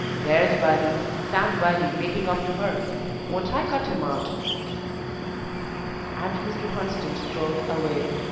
There's Waddy Sam Waddy making up to her; won't I cut him out?" And Mr. Hunsden strode away.